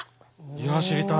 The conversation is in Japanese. いや知りたい。